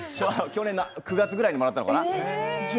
去年の９月くらいにもらったのかな